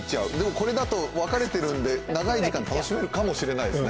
これだと分かれてるんで長い時間楽しめるかもしれないですね。